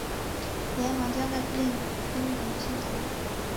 连忙将在附近工作的母亲找来